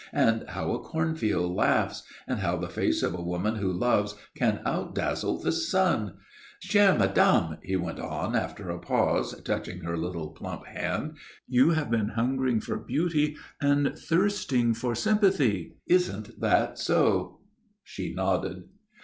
And how a cornfield laughs, and how the face of a woman who loves can outdazzle the sun. Chère madame," he went on, after a pause, touching her little plump hand, "you have been hungering for beauty and thirsting for sympathy all your life. Isn't that so?" She nodded.